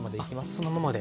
そのままで。